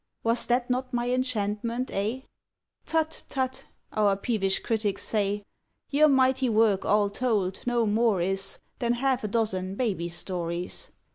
Was that not my enchantment, eh? "Tut! Tut!" our peevish critics say, "Your mighty work all told, no more is Than half a dozen baby stories.